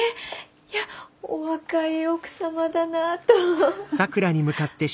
いやお若い奥様だなあと。